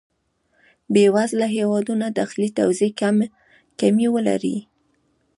بې وزله هېوادونه داخلي توزېع کمی ولري.